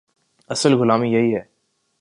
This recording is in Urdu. اصل غلامی یہی ہے۔